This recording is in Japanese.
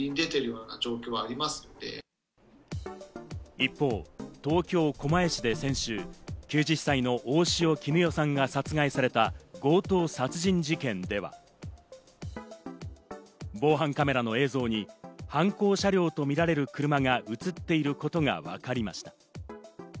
一方、東京・狛江市で先週９０歳の大塩衣与さんが殺害された強盗殺人事件では、防犯カメラの映像に犯行車両とみられる車が映っていることがわかりました。